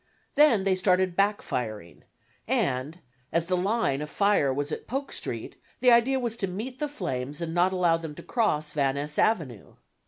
Then they started backfiring, and, as the line, of fire was at Polk Street, the idea was to meet the flames and not allow them to cross Van Ness Avenue.